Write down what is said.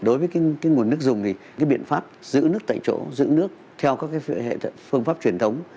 đối với nguồn nước dùng thì biện pháp giữ nước tại chỗ giữ nước theo các phương pháp truyền thống